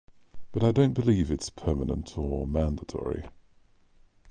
But I don't believe it's permanent or mandatory